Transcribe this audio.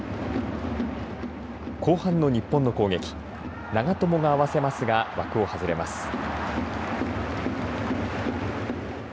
後半の日本の攻撃長友が合わせますが枠を外れます。